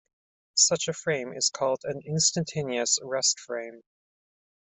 Such a frame is called an instantaneous rest frame.